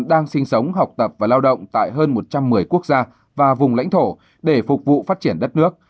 đang sinh sống học tập và lao động tại hơn một trăm một mươi quốc gia và vùng lãnh thổ để phục vụ phát triển đất nước